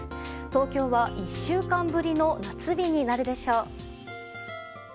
東京は１週間ぶりの夏日になるでしょう。